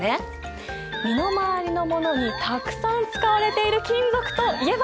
身の回りのものにたくさん使われている金属といえば？